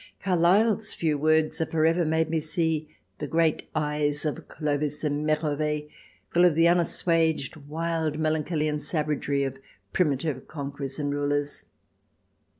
Carlyle's few words have for ever made me see the great eyes of Clovis and Merovee full of the unassuaged wild melancholy and savagery of primitive conquerors and rulers.